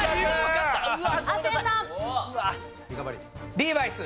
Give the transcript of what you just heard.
リーバイス。